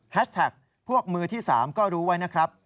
แท็กพวกมือที่๓ก็รู้ไว้นะครับ